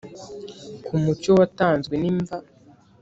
Ku mucyo watanzwe nimva